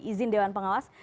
izin dewan pengawas